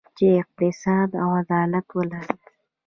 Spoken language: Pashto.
چې اقتصاد او عدالت ولري.